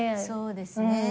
そうですね。